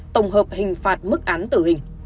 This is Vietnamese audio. tổng hợp hình phạt mức án tử hình